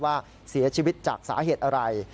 ว่าเสียชีวิตจากสาเหตุอะไร